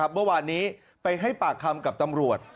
เมื่อวานนี้ไปให้ปากคำกับตำรวจ